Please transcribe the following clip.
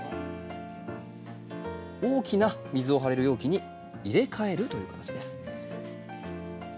大きな水を張れる容器に入れ替えるというかたちです。